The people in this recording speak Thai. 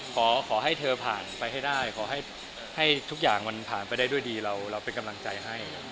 ขอให้เธอผ่านไปให้ได้ขอให้ทุกอย่างมันผ่านไปได้ด้วยดีเราเป็นกำลังใจให้